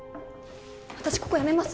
私ここやめます